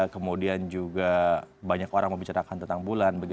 kemudian juga banyak orang membicarakan tentang bulan